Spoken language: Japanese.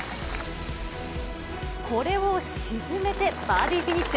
これを沈めてバーディーフィニッシュ。